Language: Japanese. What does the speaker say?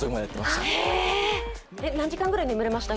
何時間ぐらい眠れました？